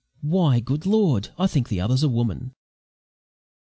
Why, good Lord! I think the other's a woman!"